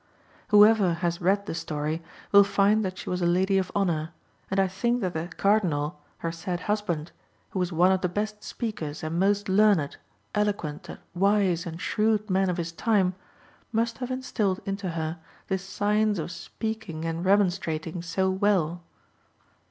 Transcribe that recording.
Whoever has read the story will find that she was a lady of honour, and I think that the Cardinal, her said husband, who was one of the best speakers and most learned, eloquent, wise, and shrewd men of his time, must have instilled into her this science of speaking and remonstrating so well."